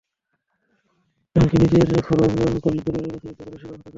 এমনকি নিজের জন্য খরচ করলে পরিবারের কাছে নির্যাতনের শিকারও হতে হয়।